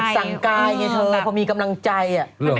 จิตสั่งกายอย่างนี้เธอเพราะมีกำลังใจ